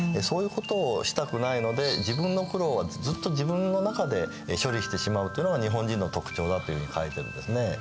そういうことをしたくないので自分の苦労はずっと自分の中で処理してしまうというのが日本人の特徴だっていうふうに書いてるんですね。